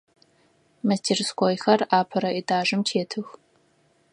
Мастерскойхэр апэрэ этажым тетых.